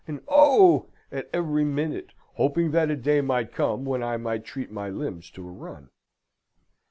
and Oh! at every minute, hoping that a day might come when I might treat my limbs to a run.